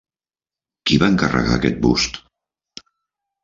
Qui va encarregar aquest bust?